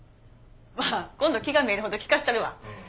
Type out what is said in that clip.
まあ今度気がめいるほど聞かしたるわ。